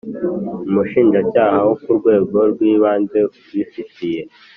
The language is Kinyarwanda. Umushinjacyaha wo ku rwego rw ibanze ubifitiye